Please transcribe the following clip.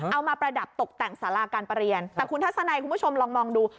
ประดับตกแต่งสาราการประเรียนแต่คุณทัศนัยคุณผู้ชมลองมองดู